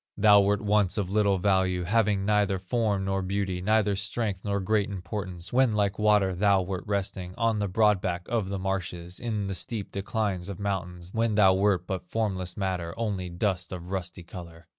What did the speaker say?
"Thou wert once of little value, Having neither form nor beauty, Neither strength nor great importance, When like water thou wert resting On the broad back of the marshes, On the steep declines of mountains, When thou wert but formless matter, Only dust of rusty color.